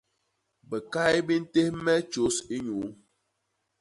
Bikay bi ntés me tjôs inyuu.